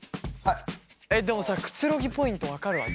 でもさくつろぎポイント分かるわ。